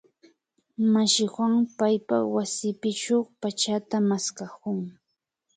Mashi Juan paypak wasipi shuk pachata maskakun